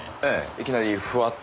いきなりふわっと。